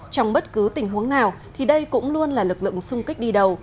trong bất cứ tình huống nào thì đây cũng luôn là lực lượng sung kích đi đầu